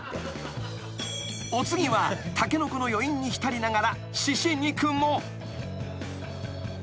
［お次はタケノコの余韻に浸りながら］